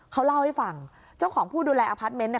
เขาเล่าให้ฟังเจ้าของผู้ดูแลอพาร์ทเมนต์เนี่ย